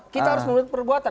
kita harus menurut perbuatan